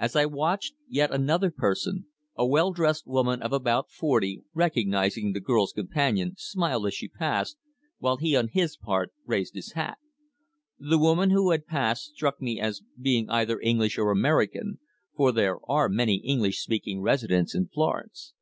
As I watched, yet another person a well dressed woman of about forty recognizing the girl's companion, smiled as she passed, while he, on his part, raised his hat. The woman who had passed struck me as being either English or American, for there are many English speaking residents in Florence.